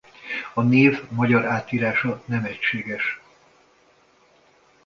A név magyar átírása nem egységes.